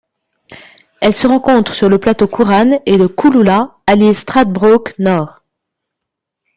Elle se rencontre sur le plateau Cooran et de Cooloola à l'île Stradbroke-Nord.